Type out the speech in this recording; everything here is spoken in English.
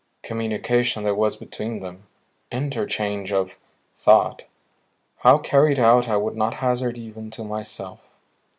Communication there was between them, interchange of thought; how carried out I would not hazard even to myself.